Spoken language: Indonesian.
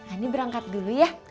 ini berangkat dulu ya